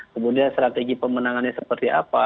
kemudian strategi pemenangannya seperti apa